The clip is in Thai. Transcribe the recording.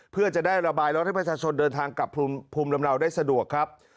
เพื่อจะได้ระบายรถให้ประชาชนเดินทางกลับภูมิลำเนาได้สะดวกครับ